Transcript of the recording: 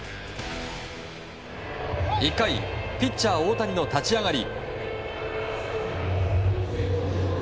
１回ピッチャー大谷の立ち上がり。